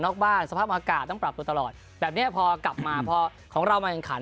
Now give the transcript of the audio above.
บ้านสภาพอากาศต้องปรับตัวตลอดแบบนี้พอกลับมาพอของเรามาแข่งขัน